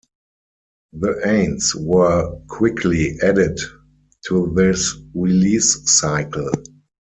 The Aints were quickly added to this release cycle.